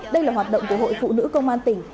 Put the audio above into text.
đây là hoạt động của hội phụ nữ công an tỉnh